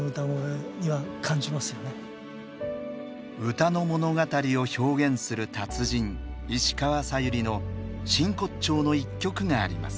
歌の物語を表現する達人石川さゆりの真骨頂の１曲があります。